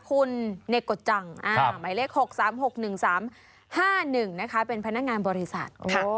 คุณเนกฎจังหมายเลข๖๓๖๑๓๕๑นะคะเป็นพนักงานบริษัท